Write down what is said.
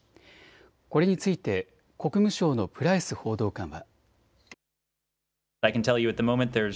これについて国務省のプライス報道官は。